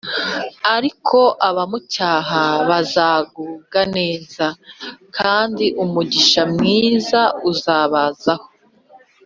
ariko abamucyaha bazagubwa neza, kandi umugisha mwiza uzabazaho